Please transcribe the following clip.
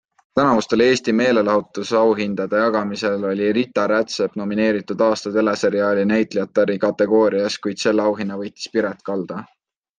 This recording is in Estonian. Tänavustel Eesti meelelahutusahindade jagamisel oli Rita Rätsepp nomineeritud aasta teleseriaali näitlejatari kategoorias, kuid selle auhinna võttis Piret Kalda.